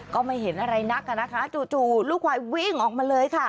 ก็ไม่เห็นอะไรนักอ่ะนะคะจู่ลูกควายวิ่งออกมาเลยค่ะ